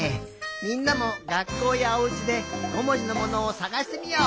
みんなもがっこうやおうちで５もじのものをさがしてみよう。